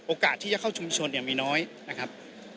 โอกาสที่จะเข้าชุมชนเนี่ยมีน้อยนะครับ